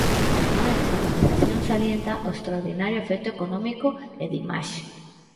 Ademais, a organización salienta o extraordinario efecto económico e de imaxe.